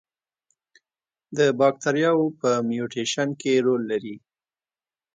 د باکتریاوو په میوټیشن کې رول لري.